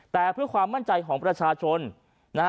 แต่เพื่อความมั่นใจของประชาชนนะฮะ